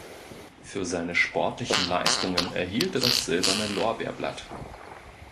Für seine sportlichen Leistungen erhielt er das Silberne Lorbeerblatt.